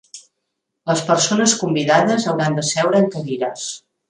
Les persones convidades hauran de seure en cadires.